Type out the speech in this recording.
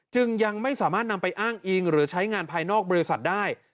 จึงยังไม่สามารถนำไปอ้างอิงหรือใช้งานภายนอกบริษัทได้